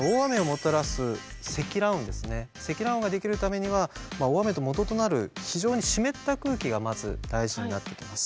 積乱雲ができるためには大雨のもととなる非常に湿った空気がまず大事になってきます。